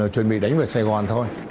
chuẩn bị đánh vào sài gòn thôi